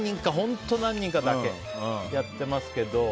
本当に何人かだけやってますけど。